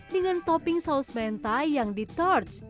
dengan topping saus mentai yang di torch